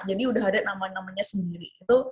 jadi sudah ada nama namanya sendiri